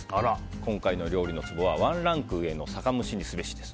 今回の料理のツボはワンランク上の酒蒸しにすべし。